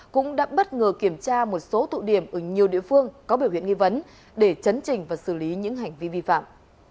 cũng đã bất ngờ kiểm tra một số tụ điểm ở nhiều địa phương có biểu hiện nghi vấn để chấn trình và xử lý những hành vi vi phạm